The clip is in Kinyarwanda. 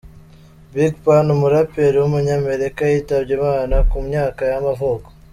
Big Pun, umuraperi w’umunyamerika yitabye Imana, ku myaka y’amavuko.